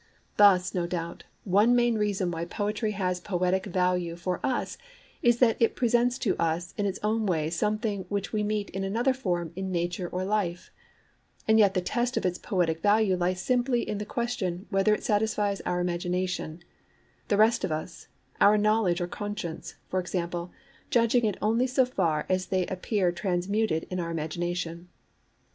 Thus, no doubt, one main reason why poetry has poetic value for us is that it presents to us in its own way something which we meet in another form in nature or life; and yet the test of its poetic value lies simply in the question whether it satisfies our imagination, the rest of us, our knowledge or conscience, for example, judging it only so far as they appear transmuted in our imagination.